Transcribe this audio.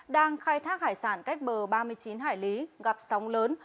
đang khai thác hải sản cách bờ ba mươi chín hải lý gặp sóng lớn